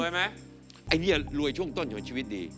ไหมไอ้เนี่ยรวยช่วงต้นของชีวิตดี